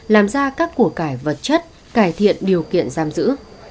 làm ra các của cải vật chất cải thiện điều kiện giam giữ